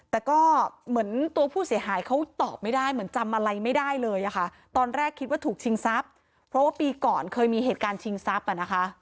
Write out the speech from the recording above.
แต่ก็เหมือนตัวผู้เสียหายเขาตอบไม่ได้เหมือนจำอะไรไม่ได้เลยอะค่ะตอนแรกคิดว่าถูกชิงทรัพย์เพราะว่าปีก่อนเคยมีเหตุการณ์ชิงทรัพย์อ่ะนะคะ